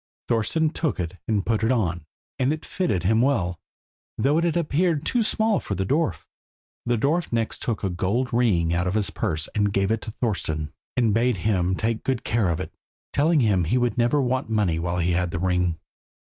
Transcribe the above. Thorston took it and put it on, and it fitted him well, though it had appeared too small for the dwarf. The dwarf next took a gold ring out of his purse and gave it to Thorston, and bade him take good care of it, telling him he should never want money while he had the ring.